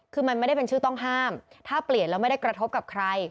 คือมันไม่ได้เป็นชื่อต้องห้ามถ้าเปลี่ยนแล้วไม่ได้กระทบกับใคร